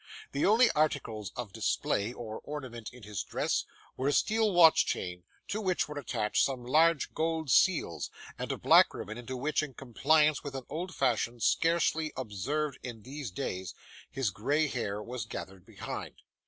The only articles of display or ornament in his dress were a steel watch chain to which were attached some large gold seals; and a black ribbon into which, in compliance with an old fashion scarcely ever observed in these days, his grey hair was gathered behind.